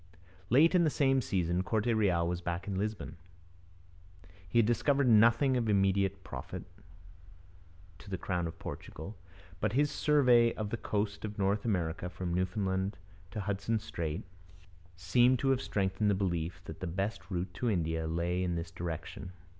Late in the same season, Corte Real was back in Lisbon. He had discovered nothing of immediate profit to the crown of Portugal, but his survey of the coast of North America from Newfoundland to Hudson Strait seems to have strengthened the belief that the best route to India lay in this direction.